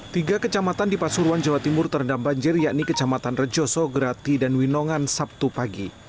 tiga kecamatan di pasuruan jawa timur terendam banjir yakni kecamatan rejoso grati dan winongan sabtu pagi